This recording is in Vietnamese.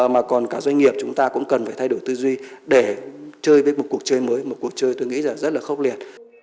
mà còn cả doanh nghiệp chúng ta cũng cần phải thay đổi tư duy để chơi với một cuộc chơi mới một cuộc chơi tôi nghĩ là rất là khốc liệt